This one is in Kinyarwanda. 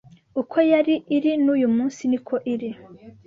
Uko yari iri n’uyu munsi niko iri